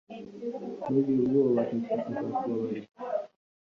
Ntugire ubwoba. Teta azakubabarira.